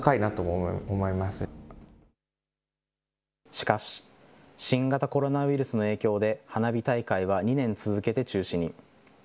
しかし、新型コロナウイルスの影響で花火大会は２年続けて中止に。